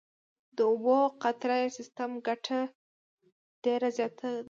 د اوبو د قطرهیي سیستم ګټه ډېره زیاته ده.